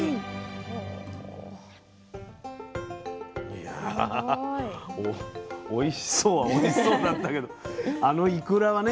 いやおいしそうはおいしそうなんだけどあのいくらはね